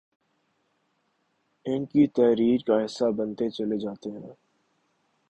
ان کی تحریر کا حصہ بنتے چلے جاتے ہیں